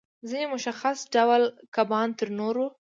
ځینې مشخص ډول کبان تر نورو